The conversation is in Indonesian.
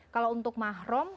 kalau dia sudah berubah